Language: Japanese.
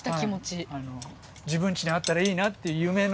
自分ちにあったらいいなっていう夢の。